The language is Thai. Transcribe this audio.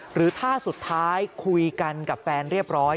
หรือถ้าสุดท้ายคุยกันกับแฟนเรียบร้อย